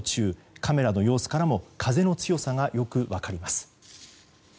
カメラの様子からも風の強さがよく分かります。